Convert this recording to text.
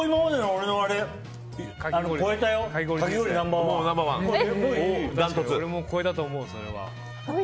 俺も超えたと思う、それは。